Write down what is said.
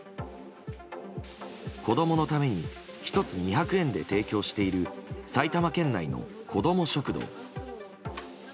子供のために１つ２００円で提供している埼玉県内の、こども食堂。